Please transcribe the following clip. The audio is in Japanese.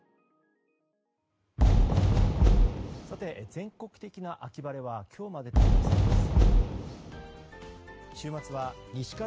全国的な秋晴れは今日までとなりそうです。